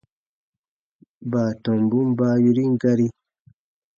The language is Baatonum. Baatɔmbun baa yorin gari.